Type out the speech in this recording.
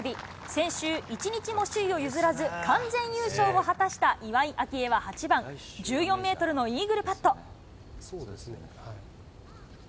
先週、一日も首位を譲らず、完全優勝を果たした岩井明愛は８番、１４メートルのイーグルパット。